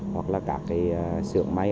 hoặc là cả cái xưởng máy